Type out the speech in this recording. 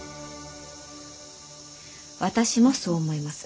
私もそう思います。